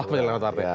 oh penyelamat partai